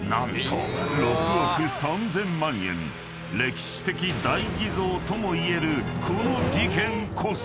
［歴史的大偽造ともいえるこの事件こそ］